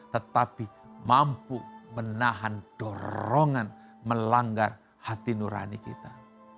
tetapi mampu menahan dorongan melanggar hati nurani kita